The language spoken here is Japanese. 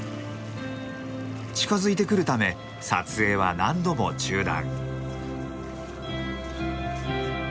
近づいてくるため撮影は何度も中断。